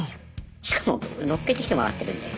しかも乗っけてきてもらってるんで。